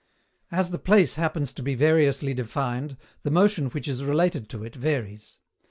As the place happens to be variously defined, the motion which is related to it varies.